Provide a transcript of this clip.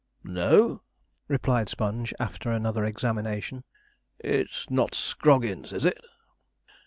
'No,' replied Sponge, after another examination. 'It's not Scroggins, is it?'